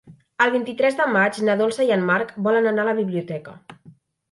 El vint-i-tres de maig na Dolça i en Marc volen anar a la biblioteca.